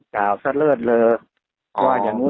แฮปปี้เบิร์สเจทู